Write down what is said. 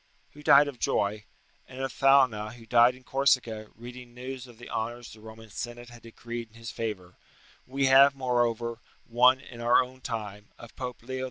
] who died of joy; and of Thalna, who died in Corsica, reading news of the honours the Roman Senate had decreed in his favour, we have, moreover, one in our time, of Pope Leo X.